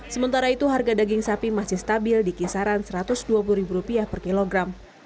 sementara itu harga daging sapi masih stabil di kisaran rp satu ratus dua puluh per kilogram